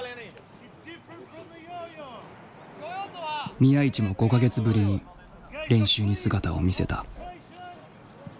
宮市も５か月ぶりに練習に姿を見せた。